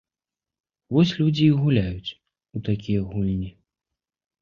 Вось людзі і гуляюць у такія гульні.